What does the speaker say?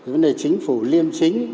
vấn đề chính phủ liêm chính